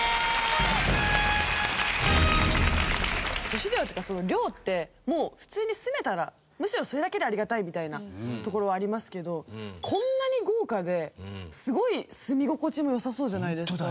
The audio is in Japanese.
女子寮っていうか寮ってもう普通に住めたらむしろそれだけでありがたいみたいなところありますけどこんなに豪華ですごい住み心地も良さそうじゃないですか。